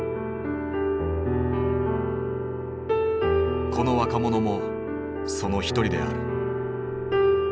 この若者もその一人である。